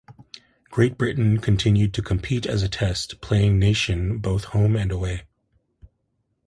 Great Britain continued to compete as a test playing nation both home and away.